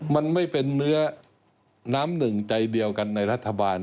มันไม่เป็นเนื้อน้ำหนึ่งใจเดียวกันในรัฐบาล